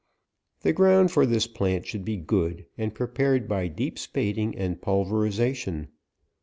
The ground for this plant should be good, and prepared by deep spading and pulveriza tion.